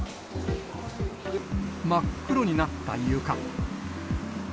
真っ黒になった床。